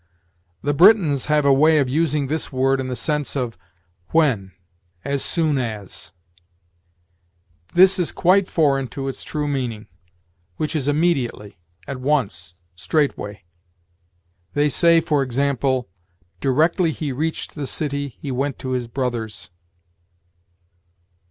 The Britons have a way of using this word in the sense of when, as soon as. This is quite foreign to its true meaning, which is immediately, at once, straightway. They say, for example, "Directly he reached the city, he went to his brother's."